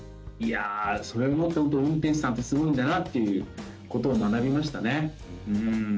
それを思って、本当に運転手さんってすごいんだなっていうことを学びましたね。